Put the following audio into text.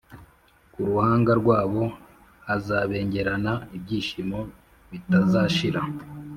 Ku ruhanga rwabo hazabengerana ibyishimo bitazashira,